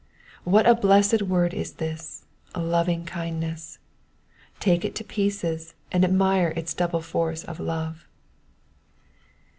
What a blessed word is this lovingkindness." Take it to pieces, and admire its double force of love.